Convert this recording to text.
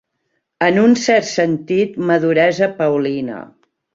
En un cert sentit, maduresa paulina.